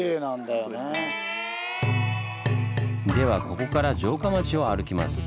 ではここから城下町を歩きます。